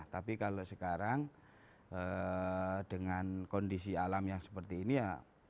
tapi kalau sekarang dengan kondisi alam yang seperti ini ya